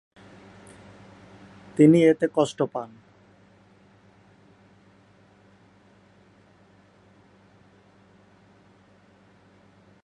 তিনি এতে কষ্ট পান।